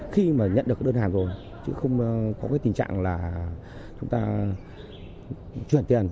khi mà nhận được cái đơn hàng rồi chứ không có cái tình trạng là chúng ta chuyển tiền